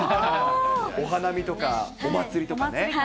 お花見とか、お祭りとかね。